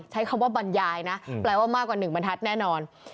ใช้คำว่าบรรยายนะแปลว่ามากกว่า๑บรรทัศน์แน่นอน